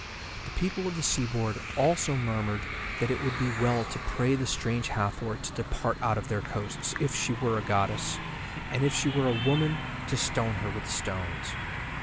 The people of the seaboard also murmured that it would be well to pray the Strange Hathor to depart out of their coasts, if she were a goddess; and if she were a woman to stone her with stones.